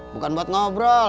bukan buat ngobrol